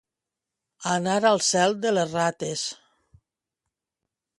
Anar al cel de les rates.